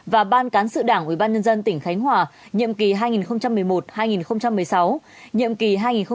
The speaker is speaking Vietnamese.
và ban cán sự đảng ubnd tỉnh khánh hòa nhiệm kỳ hai nghìn một mươi một hai nghìn một mươi sáu nhiệm kỳ hai nghìn một mươi sáu hai nghìn một mươi sáu